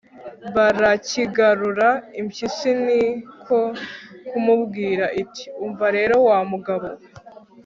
barakigarura. impyisi ni ko kumubwira iti umva rero wa mugabo we